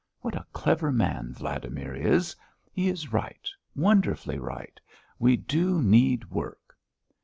What a clever man Vladimir is! He is right; wonderfully right! We do need work!"